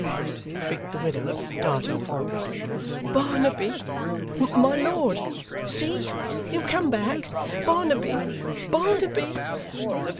shrieked the widow, darting forward. 'Barnaby my lord see he'll come back Barnaby Barnaby!